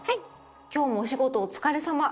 今日もお仕事お疲れさま。